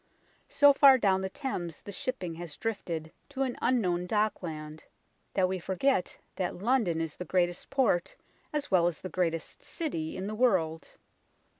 So far down the Thames the shipping has drifted to an unknown dockland that we forget that London is the greatest port as well as the greatest city in the world.